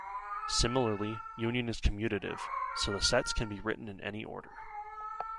Similarly, union is commutative, so the sets can be written in any order.